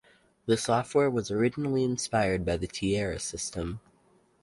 The software was originally inspired by the Tierra system.